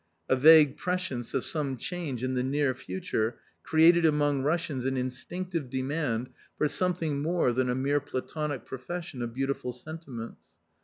A vague prescience of some change in the near future created among Russians an instinctive demand for something more than a mere platonic profession of beautiful sentiments.